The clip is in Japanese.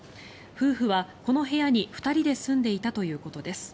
夫婦はこの部屋に２人で住んでいたということです。